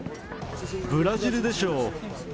ブラジルでしょう。